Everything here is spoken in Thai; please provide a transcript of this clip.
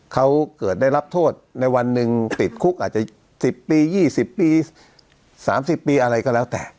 เขาเกิดได้รับโทษในวันหนึ่งติดคุกอาจจะ๑๐ปี๒๐ปี๓๐ปีอะไรก็แล้วแต่